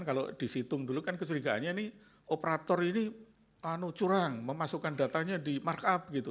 kalau di situng dulu kan kecurigaannya ini operator ini curang memasukkan datanya di markup gitu